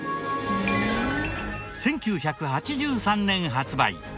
１９８３年発売。